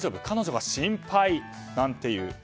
彼女が心配なんていう。